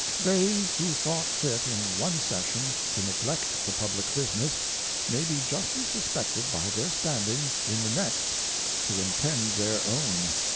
They who thought fit in one Session to neglect the Publick Business, may be justly suspected, by their standing, in the next to intend their own.